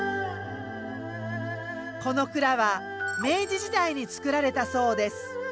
この蔵は明治時代に造られたそうです。